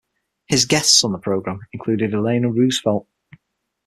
His guests on the program included Eleanor Roosevelt.